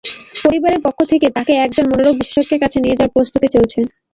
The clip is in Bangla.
পরিবারের পক্ষ থেকে তাকে একজন মনোরোগ বিশেষজ্ঞের কাছে নিয়ে যাওয়ার প্রস্তুতি চলছে।